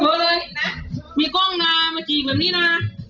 หนูเลยมีกล้องน่ามาจีกแบบนี้น่ะ